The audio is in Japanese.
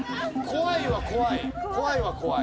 怖いは怖い。